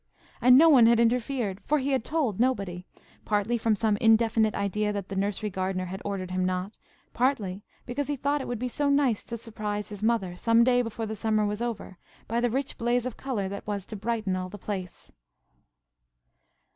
And no one had interfered; for he had told nobody, partly from some indefinite idea that the nursery gardener had ordered him not; partly because he thought it would be so nice to surprise his mother, some day before the summer was over, by the rich blaze of colour that was to brighten all the place.